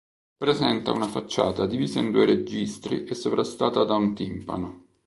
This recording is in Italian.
Presenta una facciata divisa in due registri e sovrastata da un timpano.